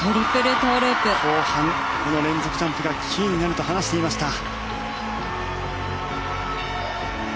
後半この連続ジャンプがキーになると話していました。